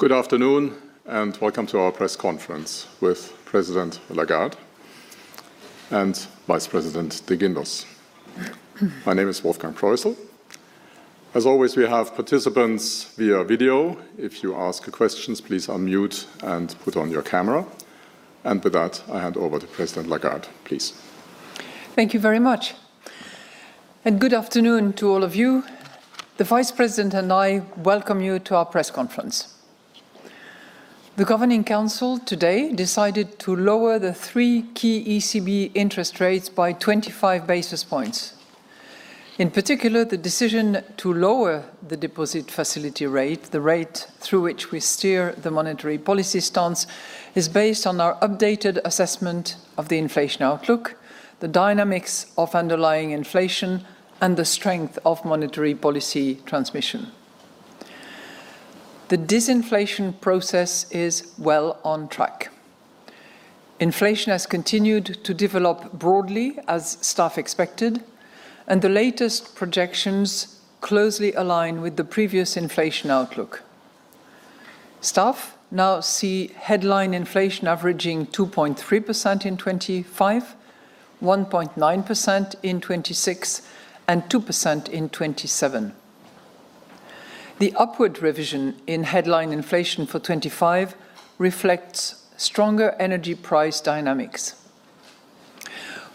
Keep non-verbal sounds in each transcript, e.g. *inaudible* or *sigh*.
Good afternoon and welcome to our press conference with President Lagarde and Vice President Luis de Guindos. My name is Wolfgang Proissl. As always, we have participants via video. If you ask questions, please unmute and put on your camera. With that, I hand over to President Lagarde, please. Thank you very much. Good afternoon to all of you. The Vice President and I welcome you to our press conference. The Governing Council today decided to lower the three key ECB interest rates by 25 basis points. In particular, the decision to lower the deposit facility rate, the rate through which we steer the monetary policy stance, is based on our updated assessment of the inflation outlook, the dynamics of underlying inflation, and the strength of monetary policy transmission. The disinflation process is well on track. Inflation has continued to develop broadly, as staff expected, and the latest projections closely align with the previous inflation outlook. Staff now see headline inflation averaging 2.3% in 2025, 1.9% in 2026, and 2% in 2027. The upward revision in headline inflation for 2025 reflects stronger energy price dynamics.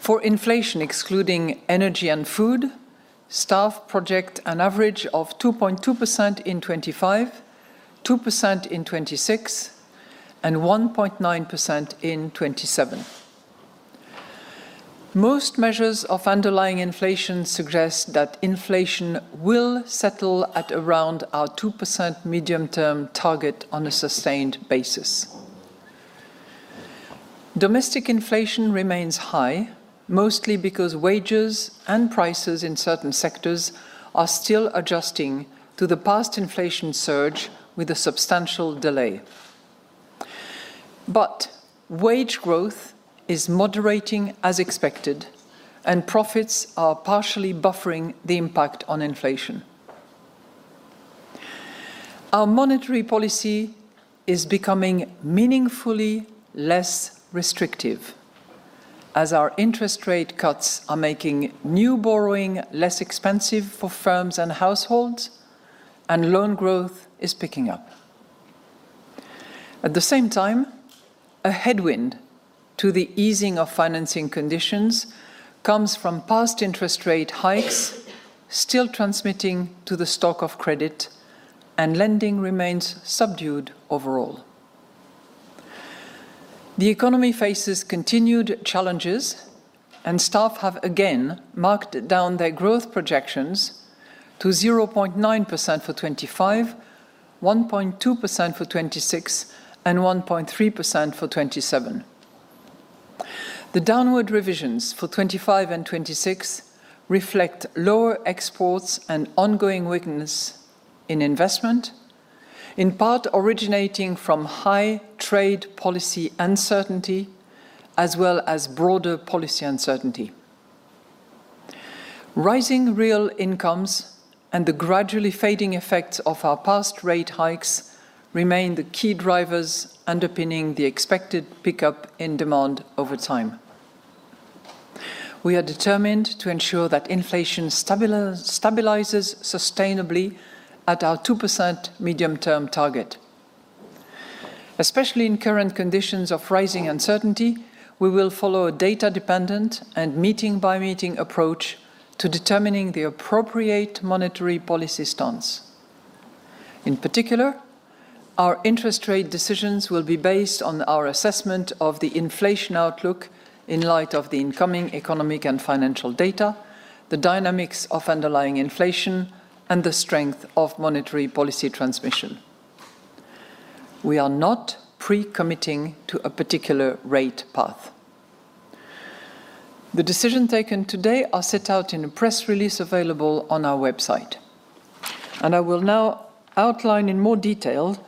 For inflation excluding energy and food, staff project an average of 2.2% in 2025, 2% in 2026, and 1.9% in 2027. Most measures of underlying inflation suggest that inflation will settle at around our 2% medium-term target on a sustained basis. Domestic inflation remains high, mostly because wages and prices in certain sectors are still adjusting to the past inflation surge with a substantial delay. Wage growth is moderating as expected, and profits are partially buffering the impact on inflation. Our monetary policy is becoming meaningfully less restrictive, as our interest rate cuts are making new borrowing less expensive for firms and households, and loan growth is picking up. At the same time, a headwind to the easing of financing conditions comes from past interest rate hikes still transmitting to the stock of credit, and lending remains subdued overall. The economy faces continued challenges, and staff have again marked down their growth projections to 0.9% for 2025, 1.2% for 2026, and 1.3% for 2027. The downward revisions for 2025 and 2026 reflect lower exports and ongoing weakness in investment, in part originating from high trade policy uncertainty as well as broader policy uncertainty. Rising real incomes and the gradually fading effects of our past rate hikes remain the key drivers underpinning the expected pickup in demand over time. We are determined to ensure that inflation stabilizes sustainably at our 2% medium-term target. Especially in current conditions of rising uncertainty, we will follow a data-dependent and meeting-by-meeting approach to determining the appropriate monetary policy stance. In particular, our interest rate decisions will be based on our assessment of the inflation outlook in light of the incoming economic and financial data, the dynamics of underlying inflation, and the strength of monetary policy transmission. We are not pre-committing to a particular rate path. The decisions taken today are set out in a press release available on our website. I will now outline in more detail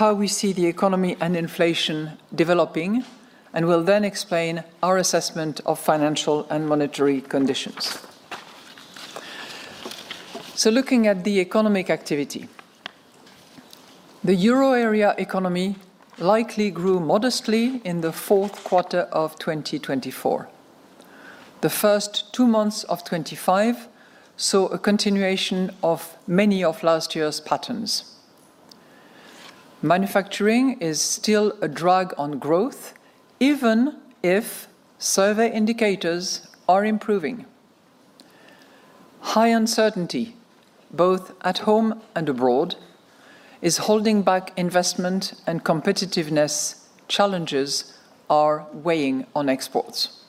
how we see the economy and inflation developing, and will then explain our assessment of financial and monetary conditions. Looking at the economic activity, the euro area economy likely grew modestly in the fourth quarter of 2024. The first two months of 2025 saw a continuation of many of last year's patterns. Manufacturing is still a drag on growth, even if survey indicators are improving. High uncertainty, both at home and abroad, is holding back investment, and competitiveness challenges are weighing on exports.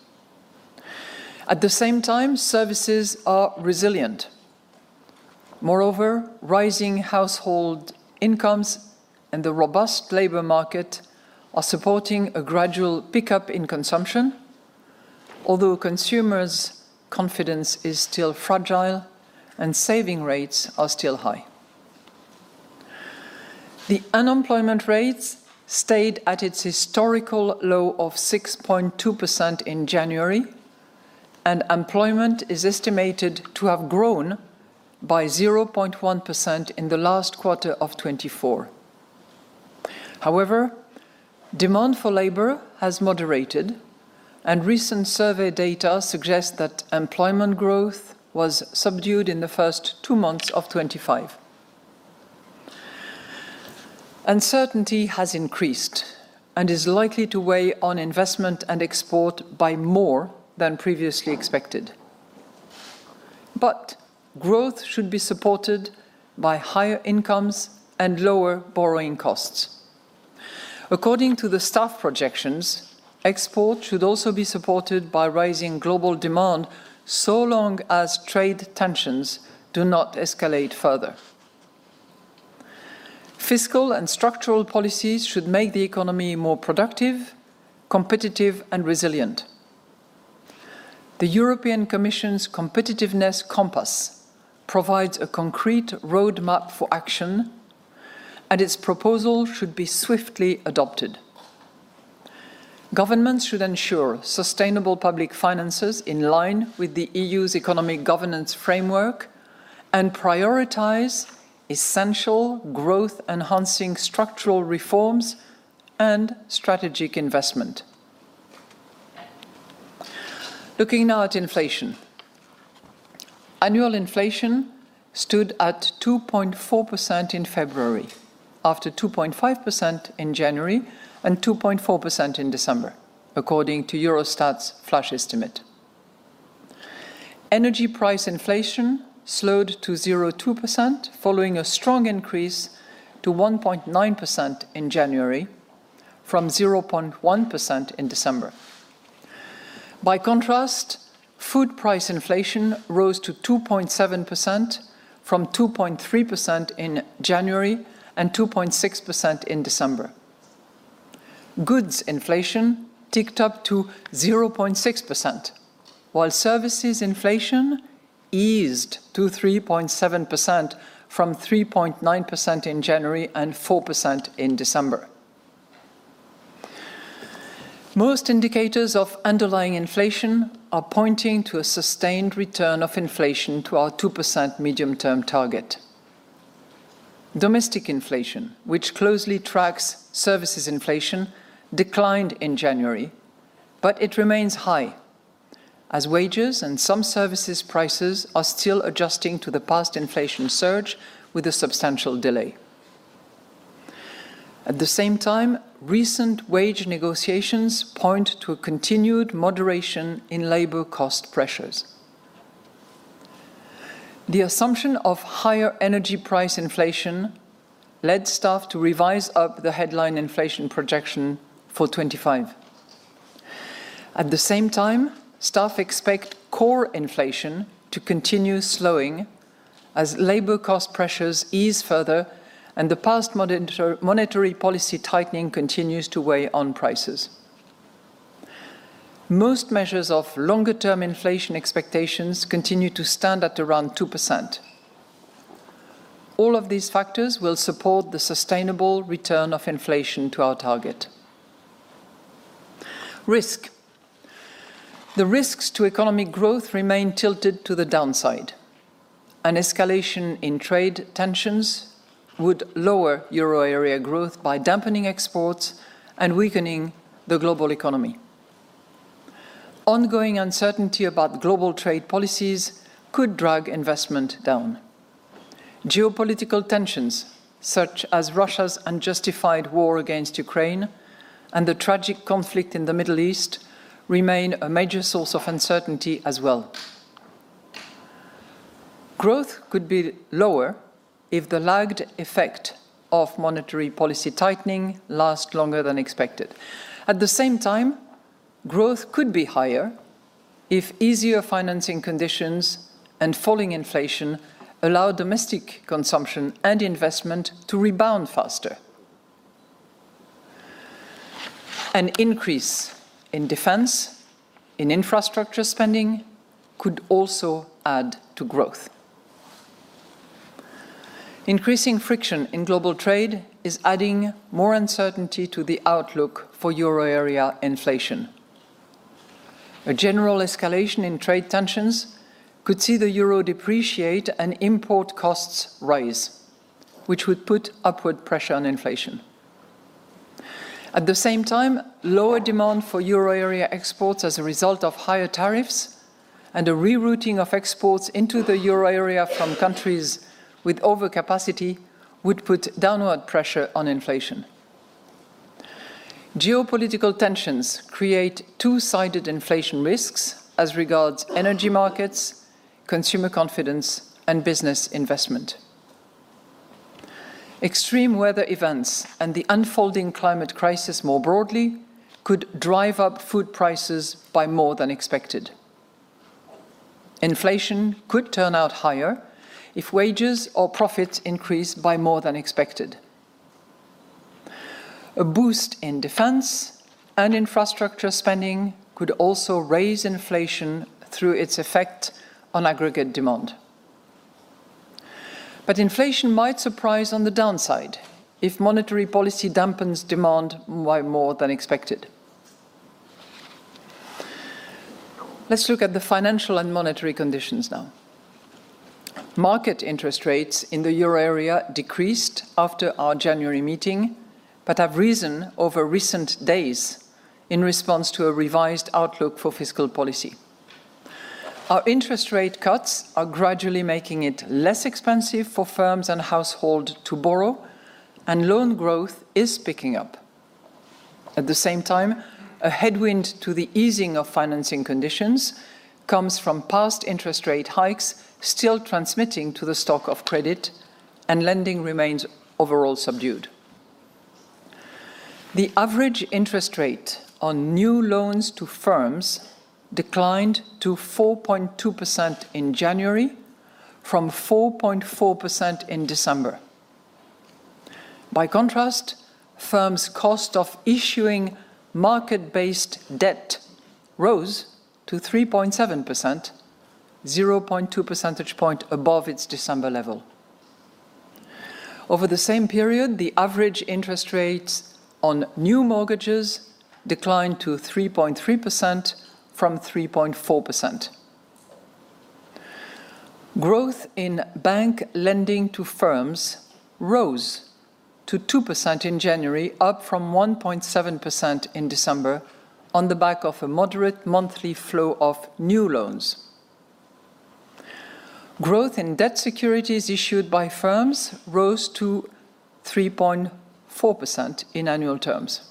At the same time, services are resilient. Moreover, rising household incomes and the robust labor market are supporting a gradual pickup in consumption, although consumers' confidence is still fragile and saving rates are still high. The unemployment rate stayed at its historical low of 6.2% in January, and employment is estimated to have grown by 0.1% in the last quarter of 2024. However, demand for labor has moderated, and recent survey data suggest that employment growth was subdued in the first two months of 2025. Uncertainty has increased and is likely to weigh on investment and export by more than previously expected. Growth should be supported by higher incomes and lower borrowing costs. According to the staff projections, export should also be supported by rising global demand so long as trade tensions do not escalate further. Fiscal and structural policies should make the economy more productive, competitive, and resilient. The European Commission's Competitiveness Compass provides a concrete roadmap for action, and its proposal should be swiftly adopted. Governments should ensure sustainable public finances in line with the EU's economic governance framework and prioritize essential growth-enhancing structural reforms and strategic investment. Looking now at inflation. Annual inflation stood at 2.4% in February, after 2.5% in January and 2.4% in December, according to Eurostat's flash estimate. Energy price inflation slowed to 0.2% following a strong increase to 1.9% in January, from 0.1% in December. By contrast, food price inflation rose to 2.7% from 2.3% in January and 2.6% in December. Goods inflation ticked up to 0.6%, while services inflation eased to 3.7% from 3.9% in January and 4% in December. Most indicators of underlying inflation are pointing to a sustained return of inflation to our 2% medium-term target. Domestic inflation, which closely tracks services inflation, declined in January, but it remains high, as wages and some services prices are still adjusting to the past inflation surge with a substantial delay. At the same time, recent wage negotiations point to a continued moderation in labor cost pressures. The assumption of higher energy price inflation led staff to revise up the headline inflation projection for 2025. At the same time, staff expect core inflation to continue slowing as labor cost pressures ease further and the past monetary policy tightening continues to weigh on prices. Most measures of longer-term inflation expectations continue to stand at around 2%. All of these factors will support the sustainable return of inflation to our target. The risks to economic growth remain tilted to the downside. An escalation in trade tensions would lower euro area growth by dampening exports and weakening the global economy. Ongoing uncertainty about global trade policies could drag investment down. Geopolitical tensions, such as Russia's unjustified war against Ukraine and the tragic conflict in the Middle East, remain a major source of uncertainty as well. Growth could be lower if the lagged effect of monetary policy tightening lasts longer than expected. At the same time, growth could be higher if easier financing conditions and falling inflation allow domestic consumption and investment to rebound faster. An increase in defense, in infrastructure spending, could also add to growth. Increasing friction in global trade is adding more uncertainty to the outlook for euro area inflation. A general escalation in trade tensions could see the euro depreciate and import costs rise, which would put upward pressure on inflation. At the same time, lower demand for euro area exports as a result of higher tariffs and a rerouting of exports into the euro area from countries with overcapacity would put downward pressure on inflation. Geopolitical tensions create two-sided inflation risks as regards energy markets, consumer confidence, and business investment. Extreme weather events and the unfolding climate crisis more broadly could drive up food prices by more than expected. Inflation could turn out higher if wages or profits increase by more than expected. A boost in defense and infrastructure spending could also raise inflation through its effect on aggregate demand. Inflation might surprise on the downside if monetary policy dampens demand by more than expected. Let's look at the financial and monetary conditions now. Market interest rates in the euro area decreased after our January meeting, but have risen over recent days in response to a revised outlook for fiscal policy. Our interest rate cuts are gradually making it less expensive for firms and households to borrow, and loan growth is picking up. At the same time, a headwind to the easing of financing conditions comes from past interest rate hikes still transmitting to the stock of credit, and lending remains overall subdued. The average interest rate on new loans to firms declined to 4.2% in January from 4.4% in December. By contrast, firms' cost of issuing market-based debt rose to 3.7%, 0.2 percentage points above its December level. Over the same period, the average interest rates on new mortgages declined to 3.3% from 3.4%. Growth in bank lending to firms rose to 2% in January, up from 1.7% in December on the back of a moderate monthly flow of new loans. Growth in debt securities issued by firms rose to 3.4% in annual terms.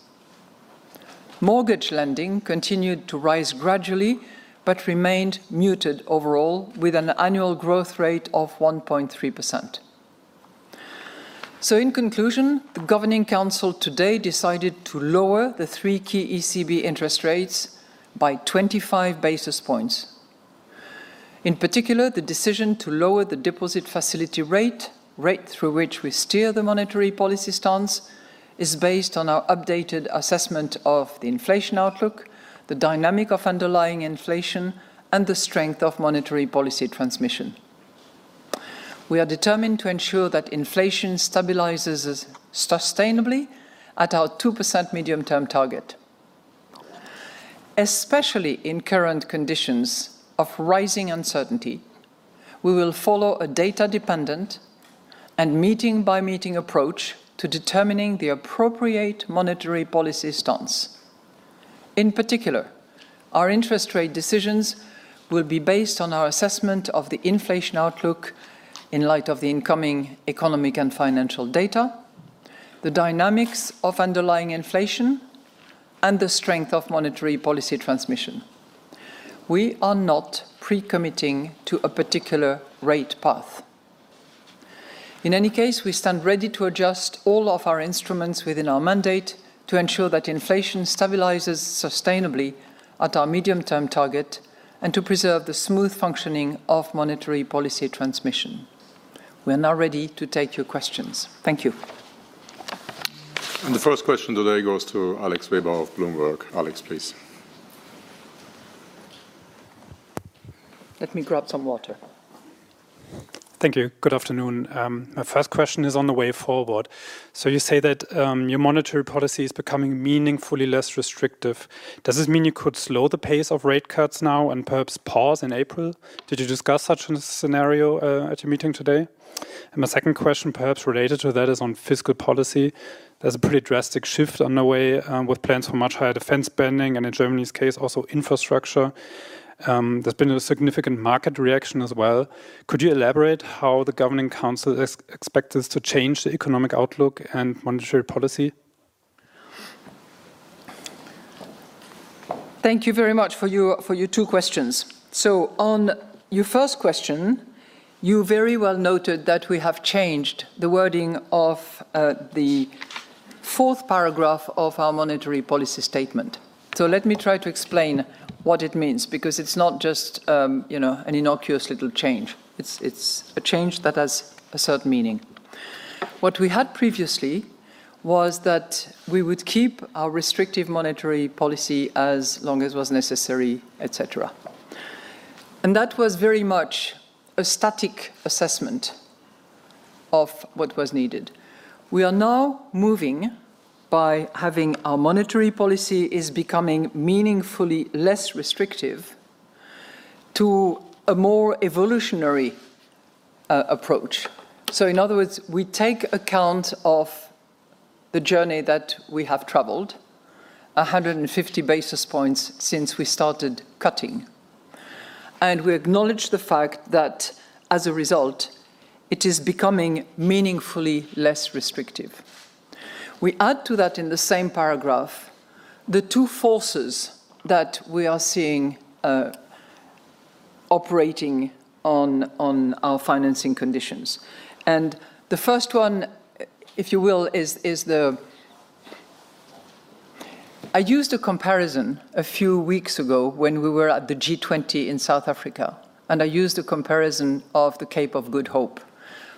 Mortgage lending continued to rise gradually but remained muted overall, with an annual growth rate of 1.3%. In conclusion, the Governing Council today decided to lower the three key ECB interest rates by 25 basis points. In particular, the decision to lower the deposit facility rate, rate through which we steer the monetary policy stance, is based on our updated assessment of the inflation outlook, the dynamic of underlying inflation, and the strength of monetary policy transmission. We are determined to ensure that inflation stabilizes sustainably at our 2% medium-term target. Especially in current conditions of rising uncertainty, we will follow a data-dependent and meeting-by-meeting approach to determining the appropriate monetary policy stance. In particular, our interest rate decisions will be based on our assessment of the inflation outlook in light of the incoming economic and financial data, the dynamics of underlying inflation, and the strength of monetary policy transmission. We are not pre-committing to a particular rate path. In any case, we stand ready to adjust all of our instruments within our mandate to ensure that inflation stabilizes sustainably at our medium-term target and to preserve the smooth functioning of monetary policy transmission. We are now ready to take your questions. Thank you. The first question today goes to Alex Weber of Bloomberg. Alex, please. Let me grab some water. Thank you. Good afternoon. My first question is on the way forward. You say that your monetary policy is becoming meaningfully less restrictive. Does this mean you could slow the pace of rate cuts now and perhaps pause in April? Did you discuss such a scenario at your meeting today? My second question, perhaps related to that, is on fiscal policy. There is a pretty drastic shift underway with plans for much higher defense spending and, in Germany's case, also infrastructure. There has been a significant market reaction as well. Could you elaborate how the Governing Council expects this to change the economic outlook and monetary policy? Thank you very much for your two questions. On your first question, you very well noted that we have changed the wording of the fourth paragraph of our monetary policy statement. Let me try to explain what it means, because it is not just an innocuous little change. It's a change that has a certain meaning. What we had previously was that we would keep our restrictive monetary policy as long as it was necessary, etc. That was very much a static assessment of what was needed. We are now moving by having our monetary policy becoming meaningfully less restrictive to a more evolutionary approach. In other words, we take account of the journey that we have traveled, 150 basis points since we started cutting. We acknowledge the fact that, as a result, it is becoming meaningfully less restrictive. We add to that in the same paragraph the two forces that we are seeing operating on our financing conditions. The first one, if you will, is the... I used a comparison a few weeks ago when we were at the G20 in South Africa, and I used a comparison of the Cape of Good Hope,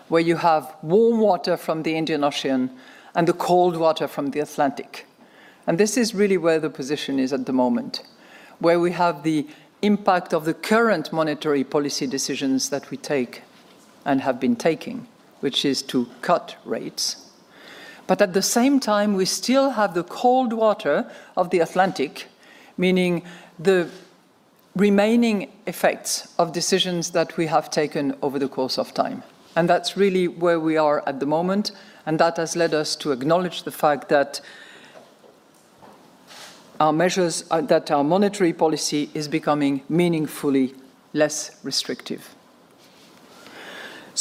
where you have warm water from the Indian Ocean and the cold water from the Atlantic. This is really where the position is at the moment, where we have the impact of the current monetary policy decisions that we take and have been taking, which is to cut rates. At the same time, we still have the cold water of the Atlantic, meaning the remaining effects of decisions that we have taken over the course of time. That is really where we are at the moment, and that has led us to acknowledge the fact that our measures, that our monetary policy is becoming meaningfully less restrictive.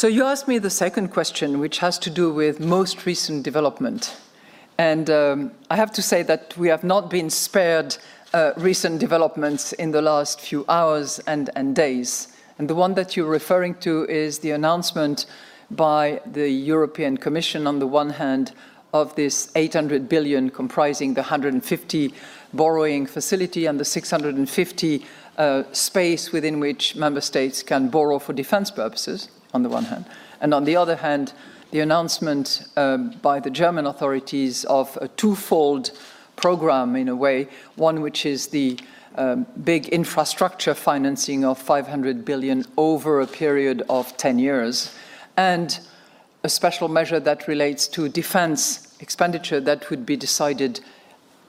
You asked me the second question, which has to do with most recent development. I have to say that we have not been spared recent developments in the last few hours and days. The one that you're referring to is the announcement by the European Commission, on the one hand, of this 800 billion comprising the 150 billion borrowing facility and the 650 billion space within which member states can borrow for defense purposes, on the one hand. On the other hand, the announcement by the German authorities of a twofold program, in a way, one which is the big infrastructure financing of 500 billion over a period of 10 years, and a special measure that relates to defense expenditure that would be decided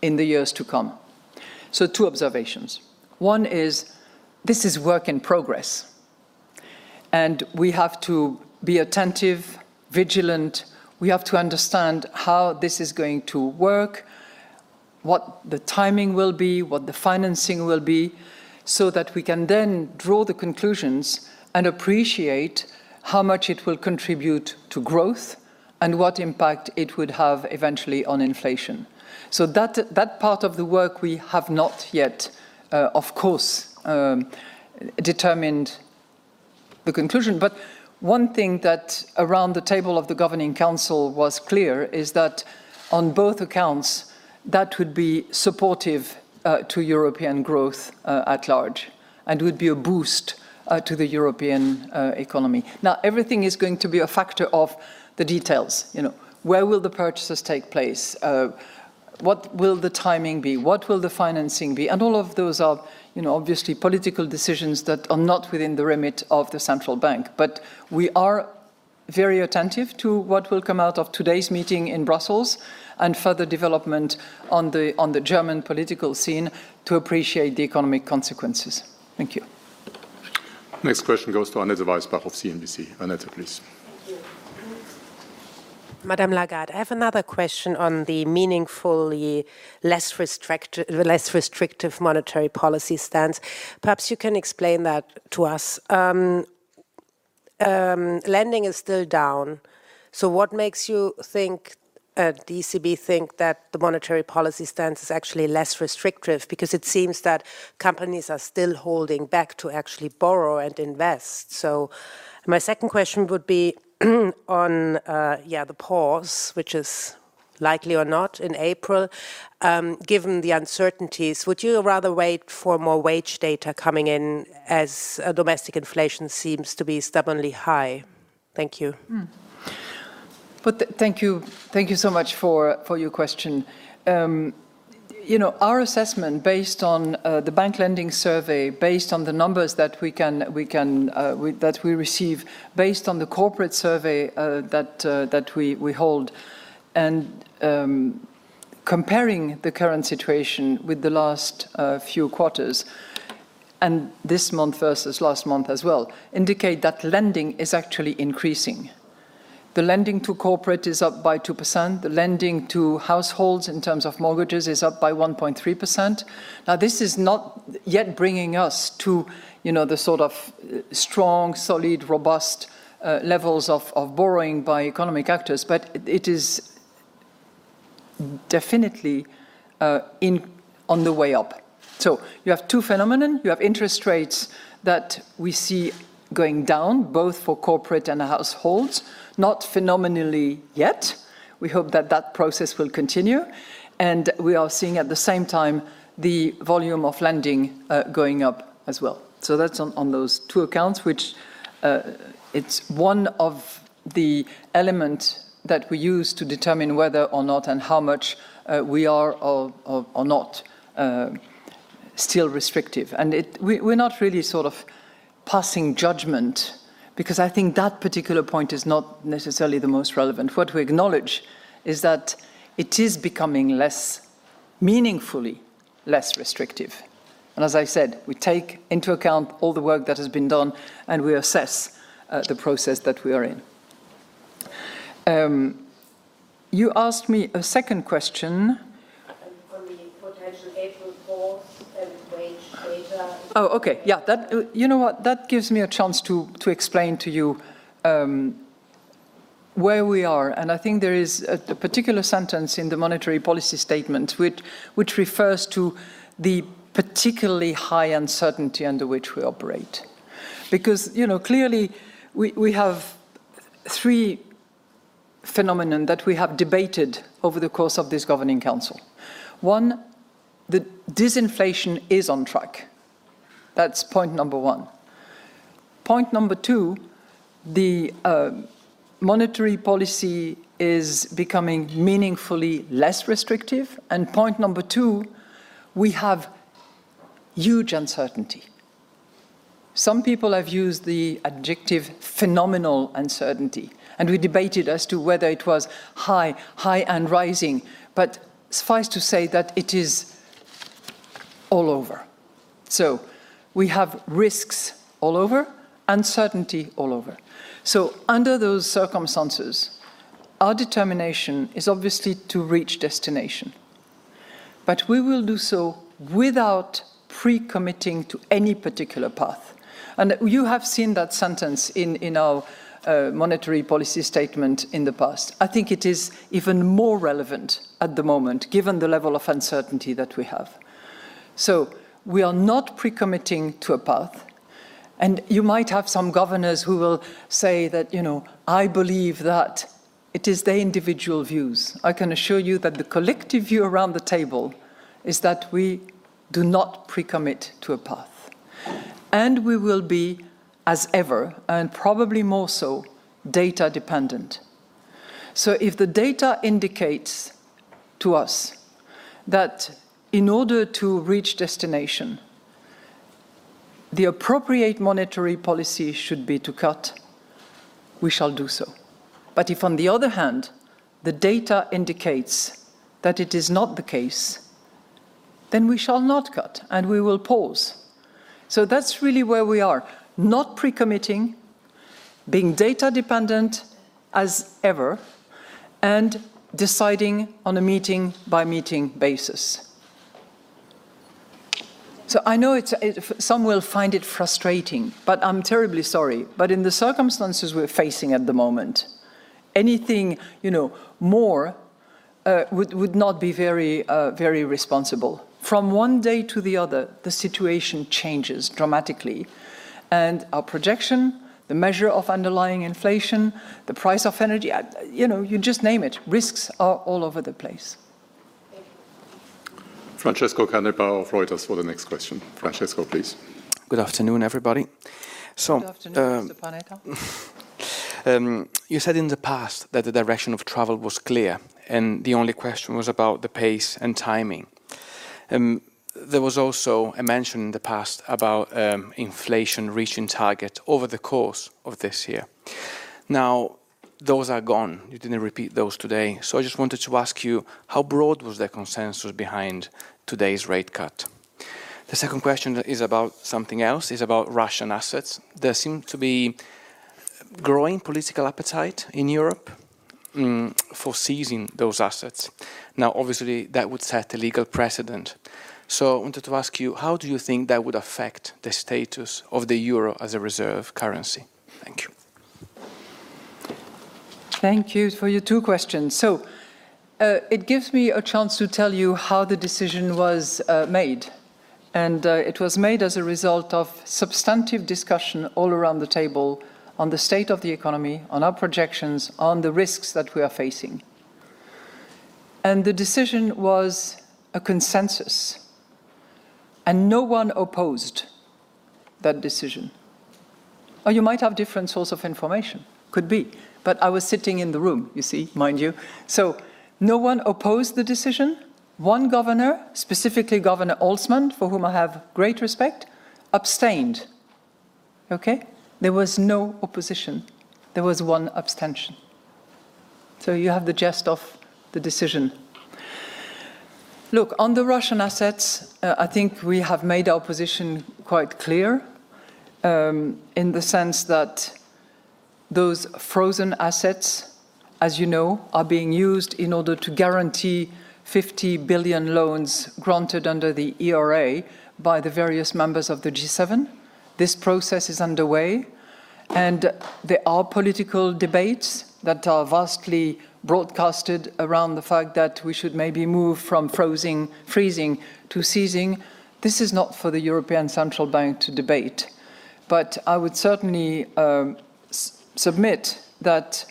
in the years to come. Two observations. One is this is work in progress, and we have to be attentive, vigilant. We have to understand how this is going to work, what the timing will be, what the financing will be, so that we can then draw the conclusions and appreciate how much it will contribute to growth and what impact it would have eventually on inflation. That part of the work we have not yet, of course, determined the conclusion. One thing that around the table of the Governing Council was clear is that on both accounts, that would be supportive to European growth at large and would be a boost to the European economy. Now, everything is going to be a factor of the details. Where will the purchases take place? What will the timing be? What will the financing be? All of those are obviously political decisions that are not within the remit of the Central Bank. We are very attentive to what will come out of today's meeting in Brussels and further development on the German political scene to appreciate the economic consequences. Thank you. Next question goes to Annette Weisbach of CNBC. Annette, please. Thank you. Madame Lagarde, I have another question on the meaningfully less restrictive monetary policy stance. Perhaps you can explain that to us. Lending is still down. What makes you think, the ECB think that the monetary policy stance is actually less restrictive? It seems that companies are still holding back to actually borrow and invest. My second question would be on, yeah, the pause, which is likely or not in April, given the uncertainties. Would you rather wait for more wage data coming in as domestic inflation seems to be stubbornly high? Thank you. Thank you. Thank you so much for your question. Our assessment based on the bank lending survey, based on the numbers that we receive, based on the corporate survey that we hold, and comparing the current situation with the last few quarters, and this month versus last month as well, indicate that lending is actually increasing. The lending to corporate is up by 2%. The lending to households in terms of mortgages is up by 1.3%. Now, this is not yet bringing us to the sort of strong, solid, robust levels of borrowing by economic actors, but it is definitely on the way up. You have two phenomena. You have interest rates that we see going down, both for corporate and households, not phenomenally yet. We hope that that process will continue. We are seeing at the same time the volume of lending going up as well. That is on those two accounts, which is one of the elements that we use to determine whether or not and how much we are or are not still restrictive. We are not really sort of passing judgment, because I think that particular point is not necessarily the most relevant. What we acknowledge is that it is becoming less, meaningfully less restrictive. As I said, we take into account all the work that has been done, and we assess the process that we are in. You asked me a second question. For the potential April pause and wage data. Oh, okay. You know what? That gives me a chance to explain to you where we are. I think there is a particular sentence in the monetary policy statement which refers to the particularly high uncertainty under which we operate. Because clearly, we have three phenomena that we have debated over the course of this Governing Council. One, the disinflation is on track. That's point number one. Point number two, the monetary policy is becoming meaningfully less restrictive. Point number three, we have huge uncertainty. Some people have used the adjective phenomenal uncertainty, and we debated as to whether it was high, high and rising. Suffice to say that it is all over. We have risks all over, uncertainty all over. Under those circumstances, our determination is obviously to reach destination. We will do so without pre-committing to any particular path. You have seen that sentence in our monetary policy statement in the past. I think it is even more relevant at the moment, given the level of uncertainty that we have. We are not pre-committing to a path. You might have some governors who will say that, you know, I believe that it is their individual views. I can assure you that the collective view around the table is that we do not pre-commit to a path. We will be, as ever, and probably more so, data-dependent. If the data indicates to us that in order to reach destination, the appropriate monetary policy should be to cut, we shall do so. If, on the other hand, the data indicates that it is not the case, then we shall not cut, and we will pause. That is really where we are, not pre-committing, being data-dependent as ever, and deciding on a meeting-by-meeting basis. I know some will find it frustrating, but I'm terribly sorry. In the circumstances we're facing at the moment, anything more would not be very responsible. From one day to the other, the situation changes dramatically. Our projection, the measure of underlying inflation, the price of energy, you just name it, risks are all over the place. Thank you. Francesco Canepa of Reuters for the next question. Francesco, please. Good afternoon, everybody. Good afternoon, Mr. Panetta. You said in the past that the direction of travel was clear, and the only question was about the pace and timing. There was also a mention in the past about inflation reaching target over the course of this year. Now, those are gone. You did not repeat those today. I just wanted to ask you, how broad was the consensus behind today's rate cut? The second question is about something else, about Russian assets. There seems to be growing political appetite in Europe for seizing those assets. Obviously, that would set a legal precedent. I wanted to ask you, how do you think that would affect the status of the euro as a reserve currency? Thank you. Thank you for your two questions. It gives me a chance to tell you how the decision was made. It was made as a result of substantive discussion all around the table on the state of the economy, on our projections, on the risks that we are facing. The decision was a consensus. No one opposed that decision. You might have different sources of information. Could be. I was sitting in the room, you see, mind you. No one opposed the decision. One governor, specifically Governor Holzmann, for whom I have great respect, abstained. Okay? There was no opposition. There was one abstention. You have the gist of the decision. Look, on the Russian assets, I think we have made our position quite clear in the sense that those frozen assets, as you know, are being used in order to guarantee 50 billion loans granted under the ERA by the various members of the G7. This process is underway. There are political debates that are vastly broadcasted around the fact that we should maybe move from freezing to seizing. This is not for the European Central Bank to debate. I would certainly submit that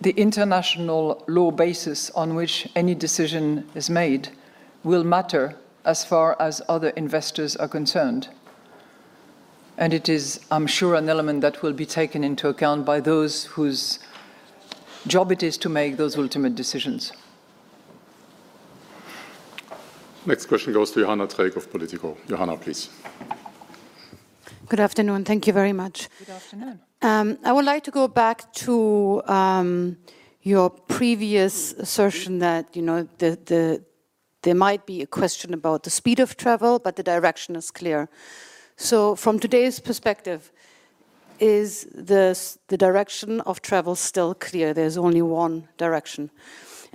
the international law basis on which any decision is made will matter as far as other investors are concerned. It is, I'm sure, an element that will be taken into account by those whose job it is to make those ultimate decisions. Next question goes to Johanna Treeck of POLITICO. Johanna, please. Good afternoon. Thank you very much. Good afternoon. I would like to go back to your previous assertion that there might be a question about the speed of travel, but the direction is clear. From today's perspective, is the direction of travel still clear? There's only one direction.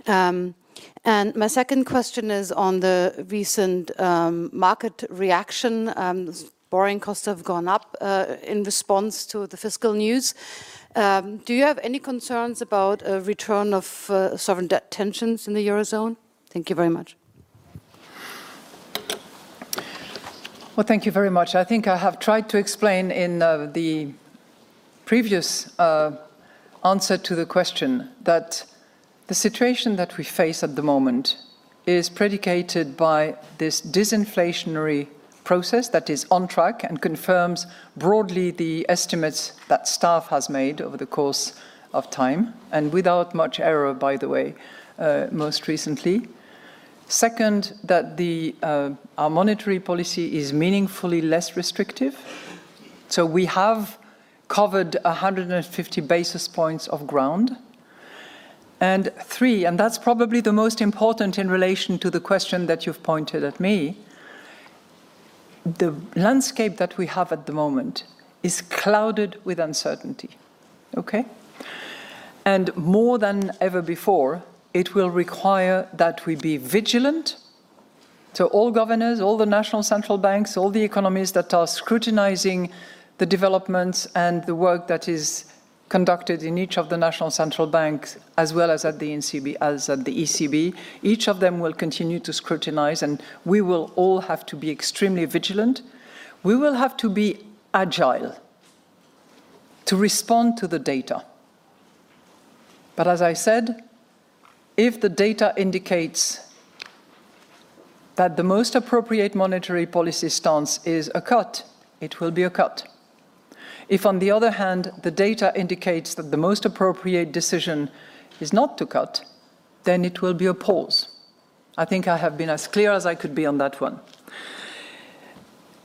My second question is on the recent market reaction. Borrowing costs have gone up in response to the fiscal news. Do you have any concerns about a return of sovereign debt tensions in the eurozone? Thank you very much. Thank you very much. I think I have tried to explain in the previous answer to the question that the situation that we face at the moment is predicated by this disinflationary process that is on track and confirms broadly the estimates that staff has made over the course of time, and without much error, by the way, most recently. Second, that our monetary policy is meaningfully less restrictive. We have covered 150 basis points of ground. Three, and that's probably the most important in relation to the question that you've pointed at me, the landscape that we have at the moment is clouded with uncertainty. Okay? More than ever before, it will require that we be vigilant. All governors, all the national central banks, all the economies that are scrutinizing the developments and the work that is conducted in each of the national central banks, as well as at the ECB, each of them will continue to scrutinize, and we will all have to be extremely vigilant. We will have to be agile to respond to the data. As I said, if the data indicates that the most appropriate monetary policy stance is a cut, it will be a cut. If, on the other hand, the data indicates that the most appropriate decision is not to cut, then it will be a pause. I think I have been as clear as I could be on that one.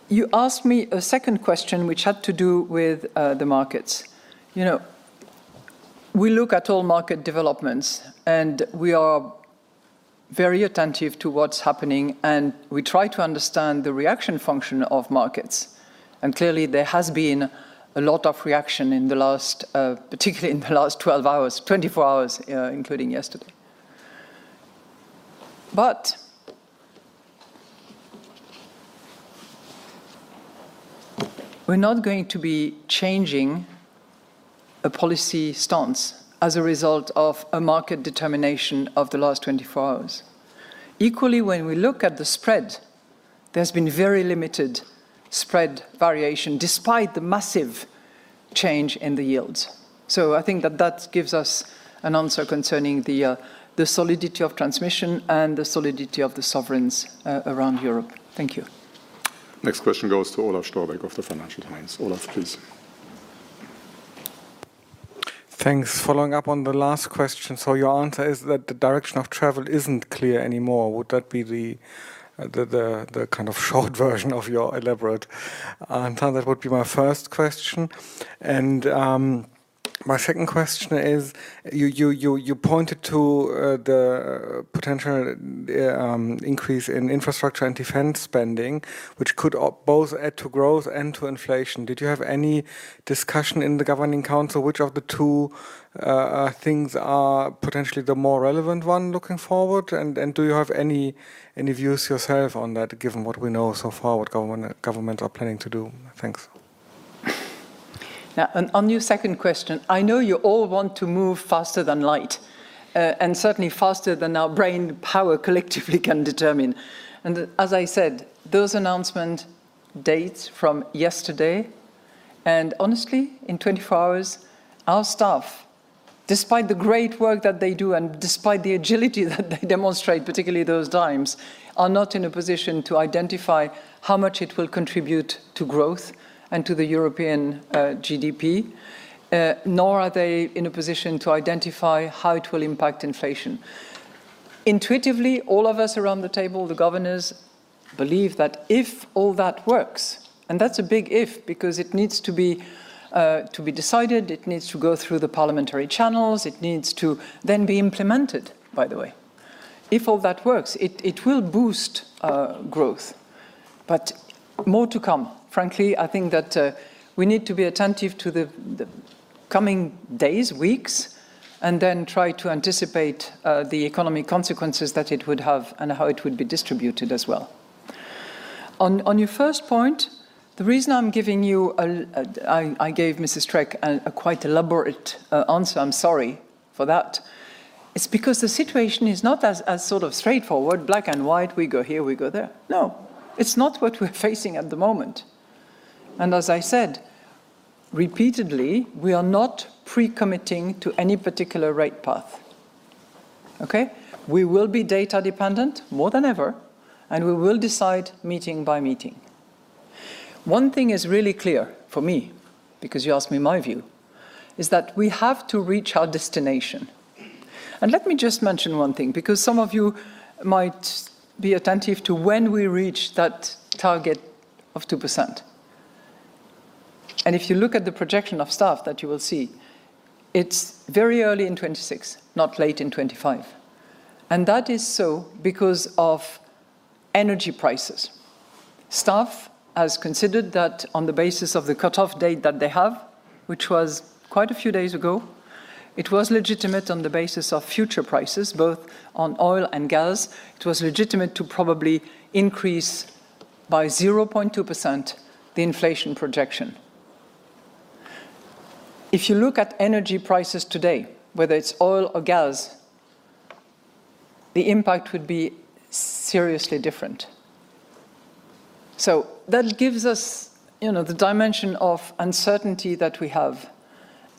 You asked me a second question, which had to do with the markets. We look at all market developments, and we are very attentive to what's happening, and we try to understand the reaction function of markets. Clearly, there has been a lot of reaction in the last, particularly in the last 12 hours, 24 hours, including yesterday. We are not going to be changing a policy stance as a result of a market determination of the last 24 hours. Equally, when we look at the spread, there has been very limited spread variation despite the massive change in the yields. I think that that gives us an answer concerning the solidity of transmission and the solidity of the sovereigns around Europe. Thank you. Next question goes to Olaf Storbeck of the Financial Times. Olaf, please. Thanks. Following up on the last question, your answer is that the direction of travel is not clear anymore. Would that be the kind of short version of your elaborate answer? That would be my first question. My second question is, you pointed to the potential increase in infrastructure and defense spending, which could both add to growth and to inflation. Did you have any discussion in the Governing Council which of the two things are potentially the more relevant one looking forward? Do you have any views yourself on that, given what we know so far, what governments are planning to do? Thanks. Now, on your second question, I know you all want to move faster than light, and certainly faster than our brain power collectively can determine. As I said, those announcement dates from yesterday. Honestly, in 24 hours, our staff, despite the great work that they do and despite the agility that they demonstrate, particularly those times, are not in a position to identify how much it will contribute to growth and to the European GDP, nor are they in a position to identify how it will impact inflation. Intuitively, all of us around the table, the governors, believe that if all that works, and that's a big if, because it needs to be decided, it needs to go through the parliamentary channels, it needs to then be implemented, by the way. If all that works, it will boost growth. More to come. Frankly, I think that we need to be attentive to the coming days, weeks, and then try to anticipate the economic consequences that it would have and how it would be distributed as well. On your first point, the reason I'm giving you, I gave Mrs. Treeck quite an elaborate answer, I'm sorry for that, is because the situation is not as sort of straightforward, black and white, we go here, we go there. No, it's not what we're facing at the moment. As I said repeatedly, we are not pre-committing to any particular rate path. Okay? We will be data-dependent more than ever, and we will decide meeting by meeting. One thing is really clear for me, because you asked me my view, is that we have to reach our destination. Let me just mention one thing, because some of you might be attentive to when we reach that target of 2%. If you look at the projection of staff that you will see, it is very early in 2026, not late in 2025. That is so because of energy prices. Staff has considered that on the basis of the cutoff date that they have, which was quite a few days ago, it was legitimate on the basis of future prices, both on oil and gas, it was legitimate to probably increase by 0.2% the inflation projection. If you look at energy prices today, whether it is oil or gas, the impact would be seriously different. That gives us the dimension of uncertainty that we have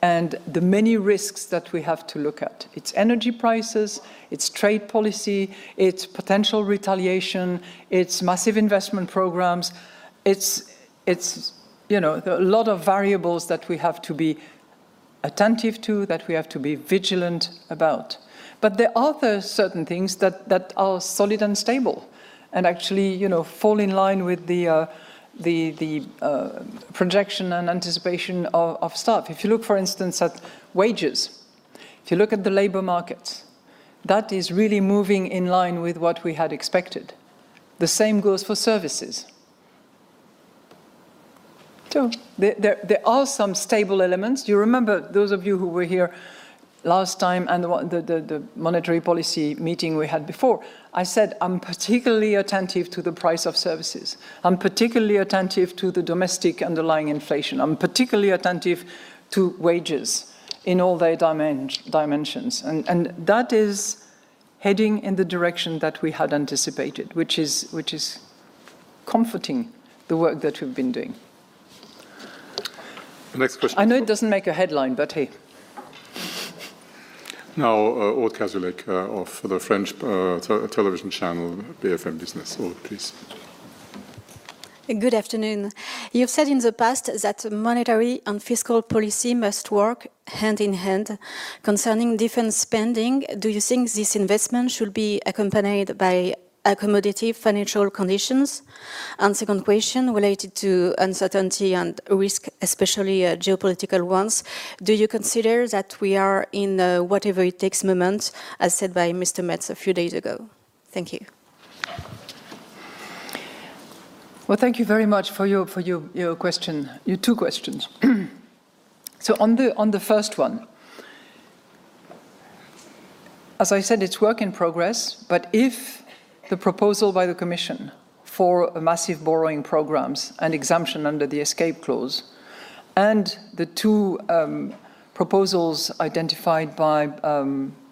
and the many risks that we have to look at. It is energy prices, it is trade policy, it is potential retaliation, it is massive investment programs. It's a lot of variables that we have to be attentive to, that we have to be vigilant about. There are certain things that are solid and stable and actually fall in line with the projection and anticipation of staff. If you look, for instance, at wages, if you look at the labor markets, that is really moving in line with what we had expected. The same goes for services. There are some stable elements. You remember those of you who were here last time and the monetary policy meeting we had before, I said I'm particularly attentive to the price of services. I'm particularly attentive to the domestic underlying inflation. I'm particularly attentive to wages in all their dimensions. That is heading in the direction that we had anticipated, which is comforting the work that we've been doing. The next question. I know it doesn't make a headline, but hey. Now, [Olivier Kazolek], of the French television channel BFM Business. Please. Good afternoon. You've said in the past that monetary and fiscal policy must work hand in hand concerning defense spending. Do you think this investment should be accompanied by accommodative financial conditions? Second question, related to uncertainty and risk, especially geopolitical ones, do you consider that we are in a whatever-it-takes moment, as said by Mr. Merz a few days ago? Thank you. Thank you very much for your question. Your two questions. On the first one, as I said, it's work in progress, but if the proposal by the Commission for massive borrowing programs and exemption under the escape clause and the two proposals identified by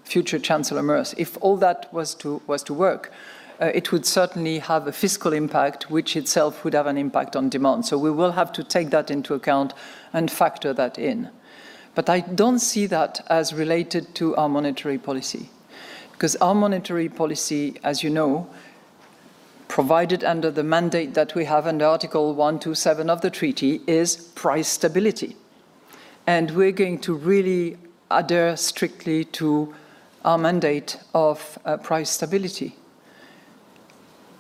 future Chancellor Merz, if all that was to work, it would certainly have a fiscal impact, which itself would have an impact on demand. We will have to take that into account and factor that in. I don't see that as related to our monetary policy, because our monetary policy, as you know, provided under the mandate that we have under Article 127 of the treaty, is price stability. We're going to really adhere strictly to our mandate of price stability.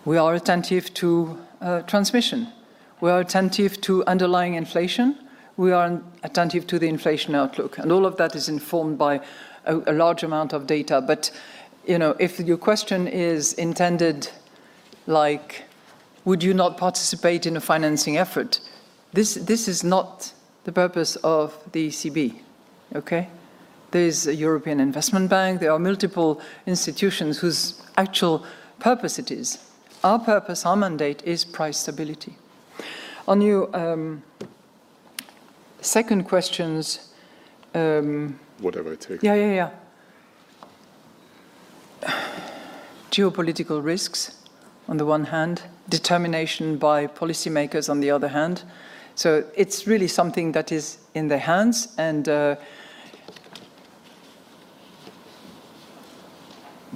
We are attentive to transmission. We are attentive to underlying inflation. We are attentive to the inflation outlook. All of that is informed by a large amount of data. If your question is intended like, would you not participate in a financing effort, this is not the purpose of the ECB. Okay? There is a European Investment Bank. There are multiple institutions whose actual purpose it is. Our purpose, our mandate, is price stability. On your second questions. Whatever it takes. Yeah, yeah, yeah. Geopolitical risks on the one hand, determination by policymakers on the other hand. It is really something that is in their hands and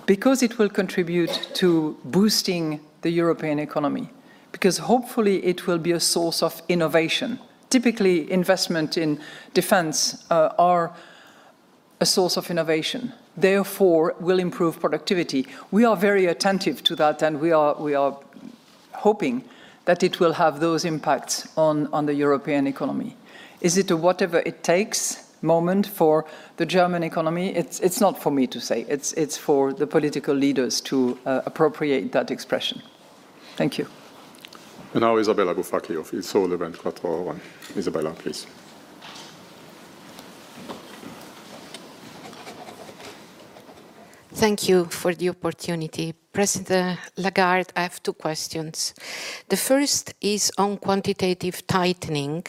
because it will contribute to boosting the European economy, because hopefully it will be a source of innovation. Typically, investment in defense is a source of innovation. Therefore, it will improve productivity. We are very attentive to that, and we are hoping that it will have those impacts on the European economy. Is it a whatever-it-takes moment for the German economy? It is not for me to say. It's for the political leaders to appropriate that expression. Thank you. And now, Isabella, *audio distortion* Isabella, please. Thank you for the opportunity. President Lagarde, I have two questions. The first is on quantitative tightening.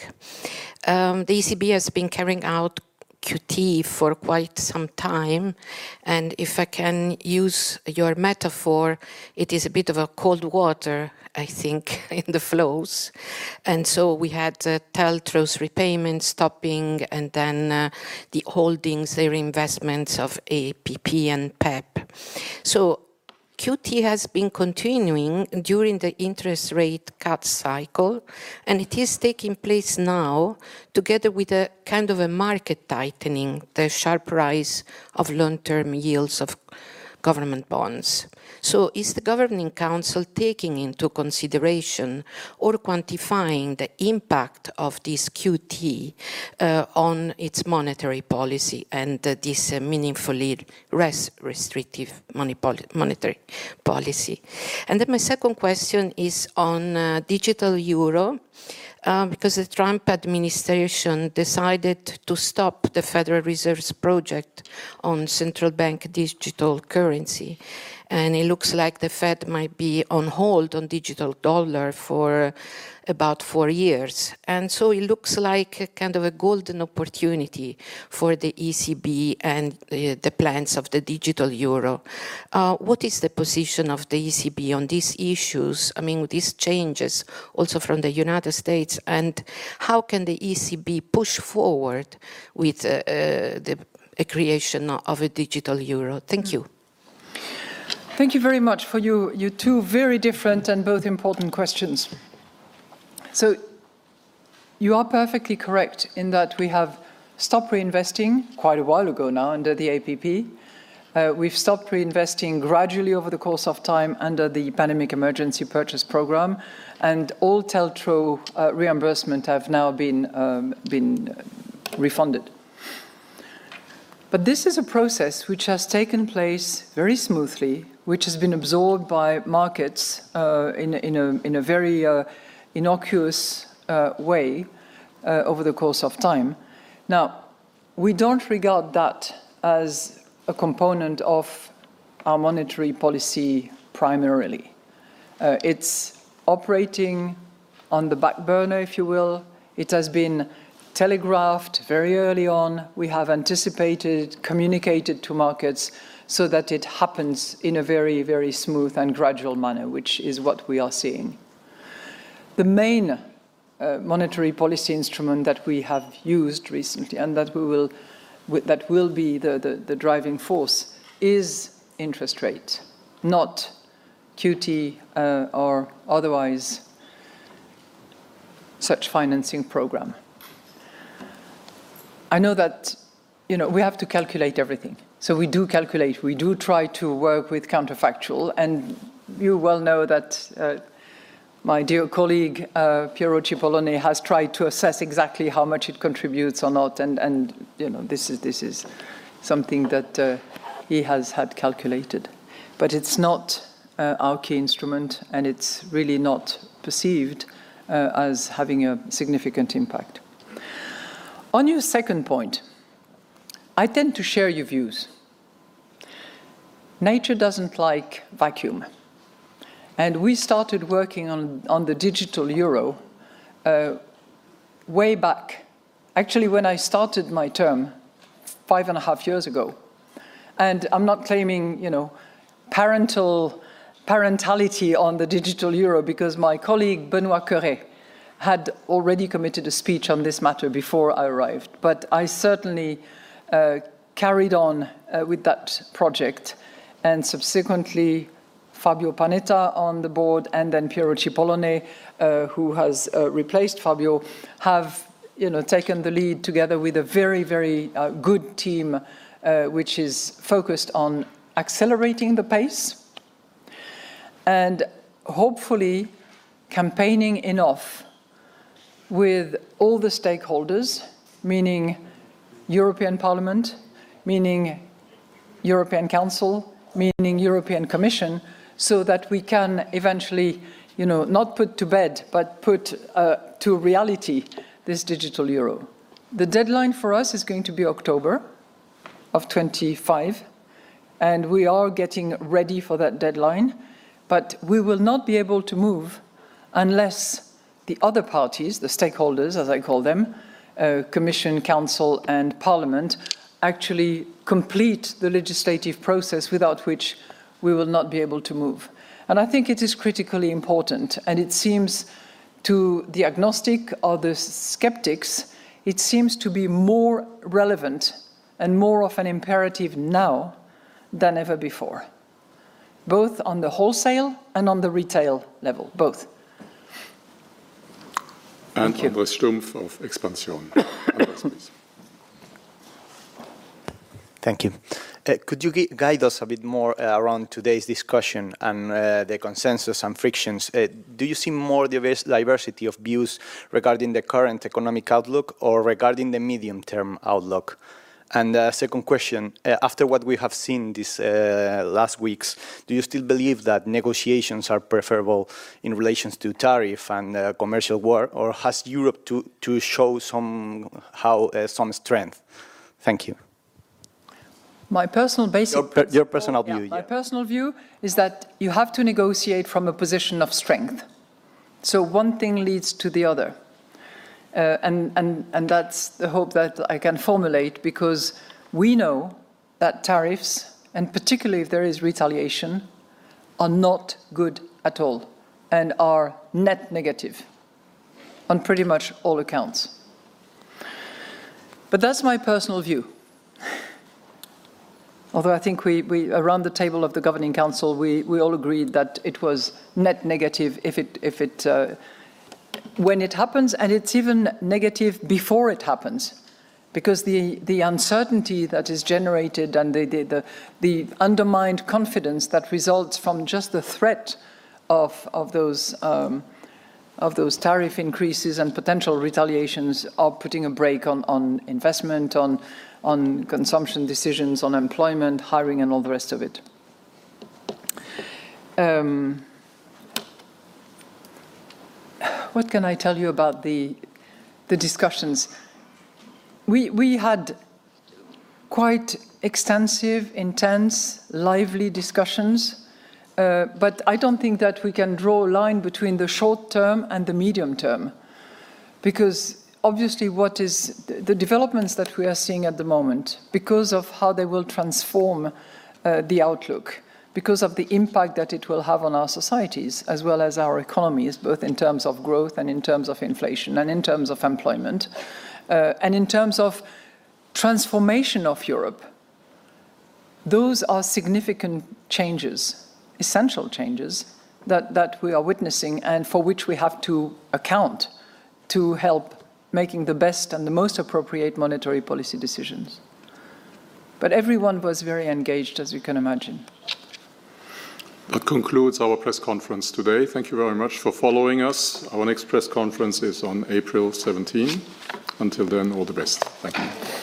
The ECB has been carrying out QT for quite some time. If I can use your metaphor, it is a bit of cold water, I think, in the flows. We had TLTROs repayment stopping and then the holdings, their investments of APP and PEPP. QT has been continuing during the interest rate cut cycle, and it is taking place now together with a kind of a market tightening, the sharp rise of long-term yields of government bonds. Is the Governing Council taking into consideration or quantifying the impact of this QT on its monetary policy and this meaningfully restrictive monetary policy? My second question is on digital euro, because the Trump administration decided to stop the Federal Reserve's project on central bank digital currency. It looks like the Fed might be on hold on digital dollar for about four years. It looks like kind of a golden opportunity for the ECB and the plans of the digital euro. What is the position of the ECB on these issues, I mean, with these changes also from the United States, and how can the ECB push forward with the creation of a digital euro? Thank you. Thank you very much for your two very different and both important questions. You are perfectly correct in that we have stopped reinvesting quite a while ago now under the APP. We've stopped reinvesting gradually over the course of time under the Pandemic Emergency Purchase Programme, and all TLTRO reimbursements have now been refunded. This is a process which has taken place very smoothly, which has been absorbed by markets in a very innocuous way over the course of time. We do not regard that as a component of our monetary policy primarily. It's operating on the back burner, if you will. It has been telegraphed very early on. We have anticipated, communicated to markets so that it happens in a very, very smooth and gradual manner, which is what we are seeing. The main monetary policy instrument that we have used recently and that will be the driving force is interest rate, not QT or otherwise such financing program. I know that we have to calculate everything. We do calculate. We do try to work with counterfactual. You well know that my dear colleague, Piero Cipollone, has tried to assess exactly how much it contributes or not. This is something that he has had calculated. It is not our key instrument, and it is really not perceived as having a significant impact. On your second point, I tend to share your views. Nature does not like vacuum. We started working on the digital euro way back, actually when I started my term five and a half years ago. I am not claiming parentality on the digital euro because my colleague Benoît Cœuré had already committed a speech on this matter before I arrived. I certainly carried on with that project. Subsequently, Fabio Panetta on the board and then Piero Cipollone, who has replaced Fabio, have taken the lead together with a very, very good team, which is focused on accelerating the pace and hopefully campaigning enough with all the stakeholders, meaning European Parliament, meaning European Council, meaning European Commission, so that we can eventually not put to bed, but put to reality this digital euro. The deadline for us is going to be October of 2025, and we are getting ready for that deadline. We will not be able to move unless the other parties, the stakeholders, as I call them, Commission, Council, and Parliament, actually complete the legislative process without which we will not be able to move. I think it is critically important. It seems to the agnostic or the skeptics, it seems to be more relevant and more of an imperative now than ever before, both on the wholesale and on the retail level, both. *audio distortion* Thank you. Could you guide us a bit more around today's discussion and the consensus and frictions? Do you see more diversity of views regarding the current economic outlook or regarding the medium-term outlook? Second question, after what we have seen these last weeks, do you still believe that negotiations are preferable in relation to tariff and commercial war, or has Europe to show some strength? Thank you. My personal basic view. Your personal view. My personal view is that you have to negotiate from a position of strength. One thing leads to the other. That is the hope that I can formulate because we know that tariffs, and particularly if there is retaliation, are not good at all and are net negative on pretty much all accounts. That is my personal view. Although I think around the table of the Governing Council, we all agreed that it was net negative when it happens, and it is even negative before it happens because the uncertainty that is generated and the undermined confidence that results from just the threat of those tariff increases and potential retaliations are putting a brake on investment, on consumption decisions, on employment, hiring, and all the rest of it. What can I tell you about the discussions? We had quite extensive, intense, lively discussions, but I don't think that we can draw a line between the short term and the medium term because obviously what is the developments that we are seeing at the moment because of how they will transform the outlook, because of the impact that it will have on our societies as well as our economies, both in terms of growth and in terms of inflation and in terms of employment and in terms of transformation of Europe. Those are significant changes, essential changes that we are witnessing and for which we have to account to help making the best and the most appropriate monetary policy decisions. Everyone was very engaged, as you can imagine. That concludes our press conference today. Thank you very much for following us. Our next press conference is on April 17. Until then, all the best. Thank you.